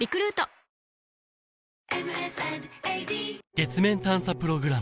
月面探査プログラム